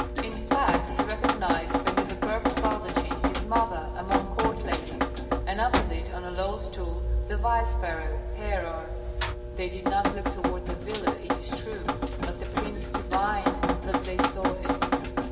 In fact he recognized beneath the purple baldachin his mother among court ladies, and opposite, on a low stool, the vice pharaoh, Herhor. They did not look toward the villa, it is true, but the prince divined that they saw him.